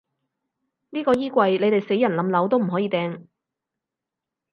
呢個衣櫃，你哋死人冧樓都唔可以掟